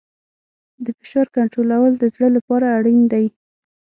د فشار کنټرول د زړه لپاره اړین دی.